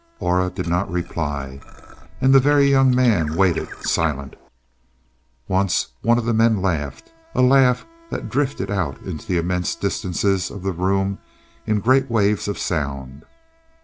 Aura did not reply, and the Very Young Man waited silent. Once one of the men laughed a laugh that drifted out into the immense distances of the room in great waves of sound.